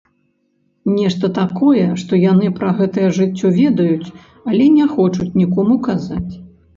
Нешта такое, што яны пра гэтае жыццё ведаюць, але не хочуць нікому казаць.